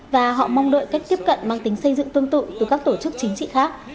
và họ mong đợi cách tiếp cận mang tính xây dựng tương tự từ các tổ chức chính trị khác